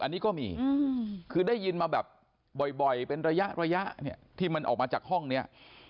อันนี้ก็มีคือได้ยินมาแบบบ่อยเป็นระยะที่มันออกมาจากห้องนี้